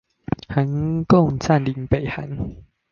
韓共占領北韓